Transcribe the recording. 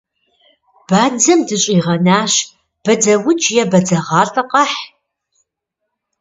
Бадзэм дыщӏигъэнащ, бадзэукӏ е бадзэгъалӏэ къэхь.